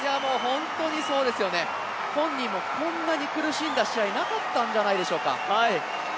本当にそうですよね、本人もこんなに苦しんだ試合、なかったんじゃないでしょうか。